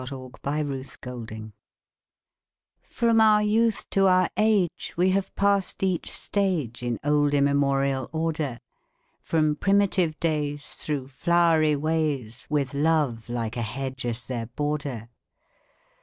SEXAGENARIUS LOQUITUR From our youth to our age We have passed each stage In old immemorial order, From primitive days Through flowery ways With love like a hedge as their border.